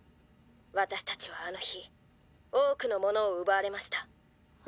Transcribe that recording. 私たちはあの日多くのものを奪われました。